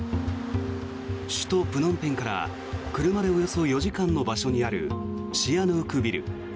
首都プノンペンから車でおよそ４時間の場所にあるシアヌークビル。